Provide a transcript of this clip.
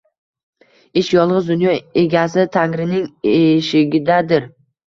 Ish yolg’iz dunyo egasi Tangrining eshigidadir”.